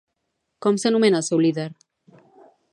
Com s'anomena el seu líder?